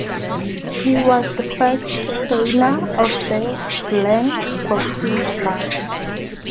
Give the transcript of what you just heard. He was the first trainer of the Glen Boxing Club.